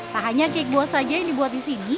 tak hanya cake buah saja yang dibuat di sini